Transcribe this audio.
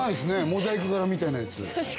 モザイク柄みたいなやつ。